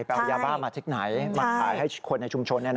ไปเอายาบ้ามาจากไหนมาถ่ายให้คนในชุมชนเนี่ยนะ